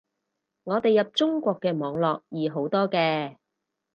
我哋入中國嘅網絡易好多嘅